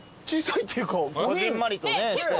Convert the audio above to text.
こぢんまりとね。